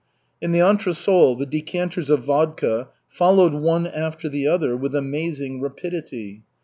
In the entresol, the decanters of vodka followed one after the other with amazing rapidity.